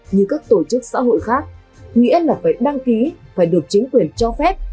như các tổ chức xã hội khác nghĩa là phải đăng ký phải được chính quyền cho phép